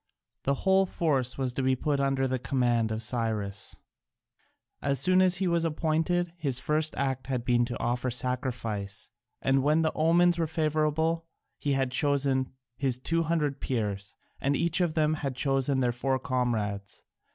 The whole force was to be put under the command of Cyrus. As soon as he was appointed, his first act had been to offer sacrifice, and when the omens were favourable he had chosen his two hundred Peers, and each of them had chosen their four comrades.